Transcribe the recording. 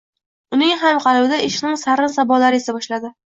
Uning ham qalbida ishqning sarrin sabolari esa boshladi